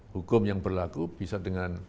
hukum yang berlaku bisa dengan